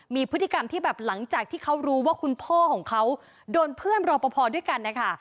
มีพฤติกรรมที่แบบหลังจากที่เขารู้ว่าคุณพ่อของเขาโดนเพื่อนรอปภด้วยกันนะคะ